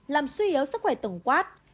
làm suy yếu sức khỏe tổng quát